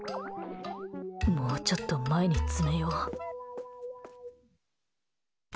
もうちょっと前に詰めよ。